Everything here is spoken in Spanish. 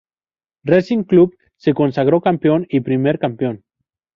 Racing Club se consagró campeón y primer campeón.